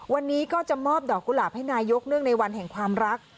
วันนี้ก็จะมอบดอกกุหลาบให้นายกเนื่องในวันแห่งความรัก